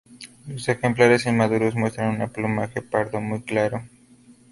Los ejemplares inmaduros muestran un plumaje pardo muy claro.